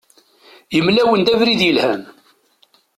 Yemla-awen-d abrid yelhan.